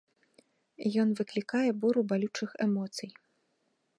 Ён выклікае буру балючых эмоцый.